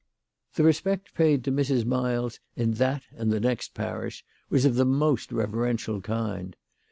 The respect paid to Mrs. Miles in that and the next parish was of the most reverential kind.